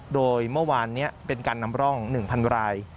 โดยเมื่อวานนี้เป็นการนำร่อง๑๐๐ราย